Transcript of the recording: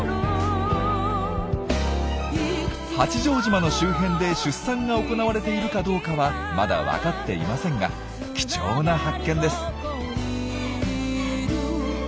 八丈島の周辺で出産が行われているかどうかはまだ分かっていませんが貴重な発見です。